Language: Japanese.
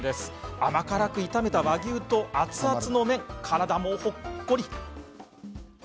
甘辛く炒めた和牛と熱々の麺で体もほっこり。